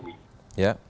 di negara kita hari ini